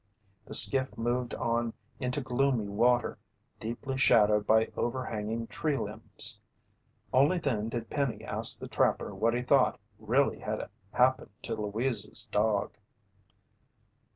The skiff moved on into gloomy water deeply shadowed by overhanging tree limbs. Only then did Penny ask the trapper what he thought really had happened to Louise's dog.